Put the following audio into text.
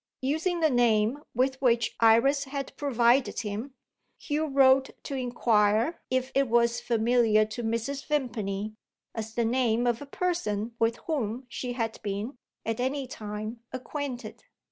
Using the name with which Iris had provided him, Hugh wrote to inquire if it was familiar to Mrs. Vimpany, as the name of a person with whom she had been, at any time, acquainted.